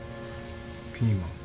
ピーマン。